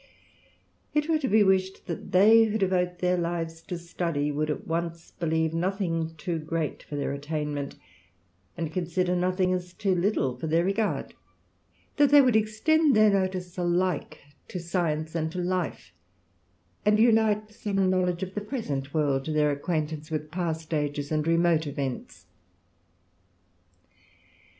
It were to be wished that they who devote their lives ^^ study would at once believe nothing too great for ^heir attainment, and consider nothing as too little for ^eir regard; that they would extend their notice alike ^o science and to life, and unite some knowledge of the present world to their acquaintance with past ages ^d remote events.